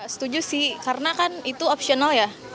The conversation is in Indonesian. setuju sih karena kan itu optional ya